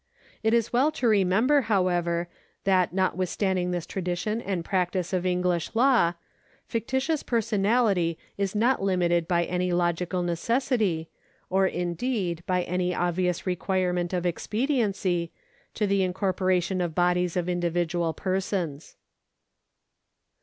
It is well to remember, however, that notwith standing this tradition and practice of English law, fictitious personality is not limited by any logical necessity, or, indeed, by any obvious requirement of expediency, to the incorpora tion of bodies of individual persons.